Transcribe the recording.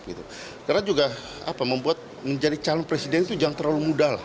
karena juga membuat menjadi calon presiden itu jangan terlalu mudah